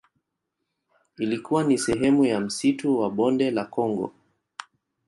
Ilikuwa ni sehemu ya msitu wa Bonde la Kongo.